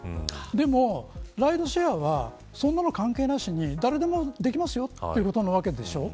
でも、ライドシェアはそんなの関係なしに誰でもできますよということなわけでしょ。